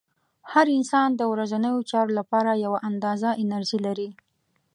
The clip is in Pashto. هر انسان د ورځنیو چارو لپاره یوه اندازه انرژي لري.